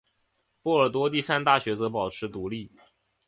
波尔多第三大学则保持独立。